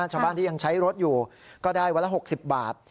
ชาวบ้านที่ยังใช้รถอยู่ก็ได้วันละ๖๐บาท